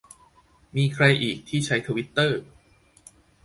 มีใครอีกที่ใช้ทวิตเตอร์